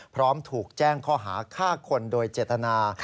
พร้อมถูกแจ้งข้อหาฆ่าคนโดยเจตนา